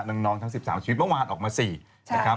ทั้ง๑๓ชีวิตเมื่อวานออกมา๔นะครับ